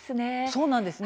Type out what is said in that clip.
そうなんです。